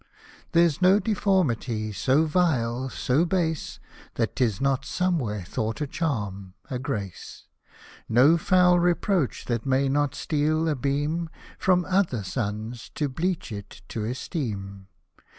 There's no deformity so vile, so base, That 'tis not somewhere thought a charm, a grace ; No foul reproach, that may not steal a beam From other suns, to bleach it to esteem.